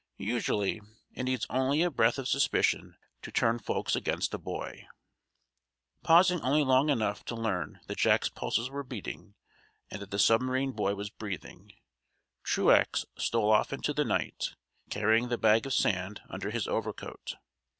Usually, it needs only a breath of suspicion to turn folks against a boy!" [Illustration: Down Dropped the Bag.] Down Dropped the Bag. Pausing only long enough to learn that Jack's pulses were beating, and that the submarine boy was breathing, Truax stole off into the night, carrying the bag of sand under his overcoat.